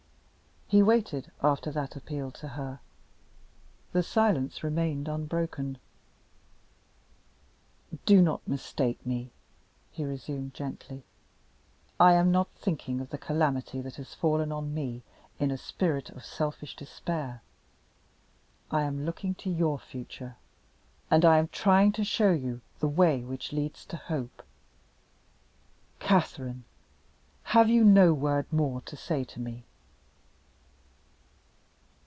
He waited, after that appeal to her. The silence remained unbroken. "Do not mistake me," he resumed gently. "I am not thinking of the calamity that has fallen on me in a spirit of selfish despair I am looking to your future, and I am trying to show you the way which leads to hope. Catherine! have you no word more to say to me?"